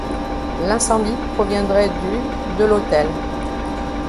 L’incendie proviendrait du de l'hôtel.